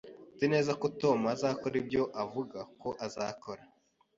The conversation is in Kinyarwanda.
Nzi neza ko Tom azakora ibyo avuga ko azakora